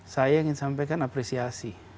saya ingin sampaikan apresiasi